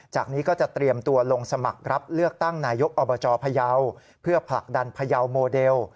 นี้ก็จะเตรียมตัวลงสมัครรับเลือกตั้งนายกอบจพยาวเพื่อผลักดันพยาวโมเดล